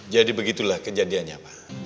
jadi begitulah kejadiannya pak